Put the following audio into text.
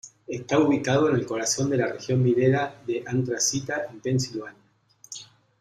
Está ubicado en el corazón de la región minera de antracita en Pensilvania.